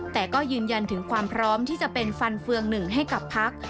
แต่ก็ยืนยันถึงความพร้อมที่จะเป็นฟันเฟืองหนึ่งให้กับพัก